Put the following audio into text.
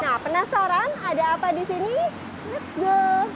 nah penasaran ada apa di sini let's go